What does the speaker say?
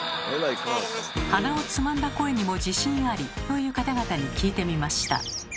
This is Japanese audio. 鼻をつまんだ声にも自信ありという方々に聞いてみました。